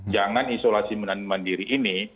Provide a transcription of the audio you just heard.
jangan isolasi mandiri ini